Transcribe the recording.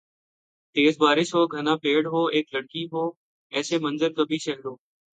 تیز بارش ہو گھنا پیڑ ہو اِک لڑکی ہوایسے منظر کبھی شہروں